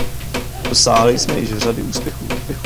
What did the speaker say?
Dosáhli jsme již řady úspěchů.